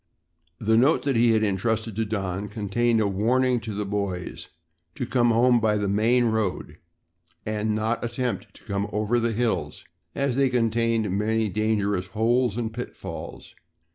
The note that he had entrusted to Don contained a warning to the boys to come home by the main road and not attempt to come over the hills as they contained many dangerous holes and pitfalls.